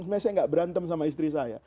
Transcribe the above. sebenarnya saya nggak berantem sama istri saya